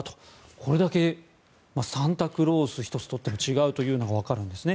これだけ、サンタクロース１つとっても違うというのが分かるんですね。